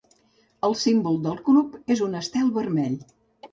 El símbol del club és un estel vermell.